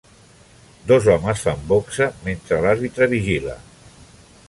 Dos homes fan boxa mentre l'àrbitre vigila.